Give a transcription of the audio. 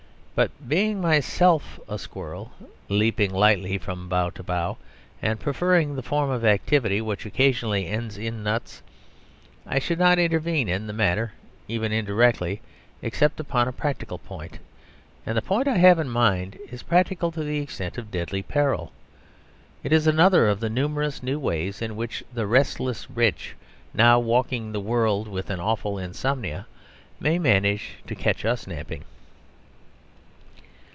But being myself a squirrel (leaping lightly from bough to bough) and preferring the form of activity which occasionally ends in nuts, I should not intervene in the matter even indirectly, except upon a practical point. And the point I have in mind is practical to the extent of deadly peril. It is another of the numerous new ways in which the restless rich, now walking the world with an awful insomnia, may manage to catch us napping.